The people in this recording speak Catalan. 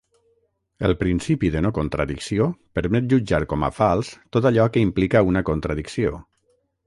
El principi de no contradicció permet jutjar com fals tot allò que implica una contradicció.